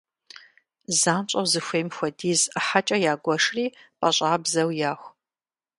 Занщӏэу зыхуейм хуэдиз ӏыхьэкӏэ ягуэшри пӏащӏабзэу яху.